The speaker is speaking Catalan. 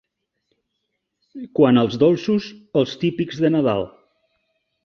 Quant als dolços, els típics de Nadal.